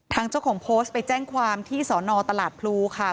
ทางเจ้าของโพสต์ไปแจ้งความที่สอนอตลาดพลูค่ะ